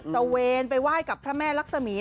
เวนไปไหว้กับพระแม่รักษมี